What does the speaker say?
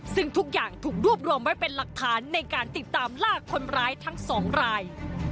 ซึ่งทุกอย่างถูกรวบรวมไว้เป็นหลักฐานในการติดตามลากคนร้ายทั้งสองราย